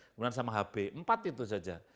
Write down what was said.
kemudian sama hb empat itu saja